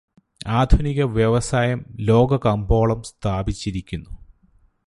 ആധുനികവ്യവസായം ലോകകമ്പോളം സ്ഥാപിച്ചിരിക്കുന്നു.